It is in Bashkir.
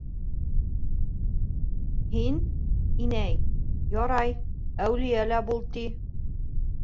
Һин, инәй, ярай, әүлиә лә бул ти.